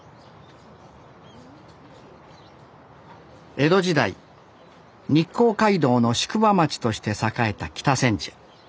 江戸時代日光街道の宿場町として栄えた北千住。